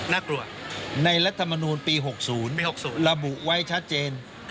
น่ากลัวในรัฐมนูลปี๖๐ปี๖๐ระบุไว้ชัดเจน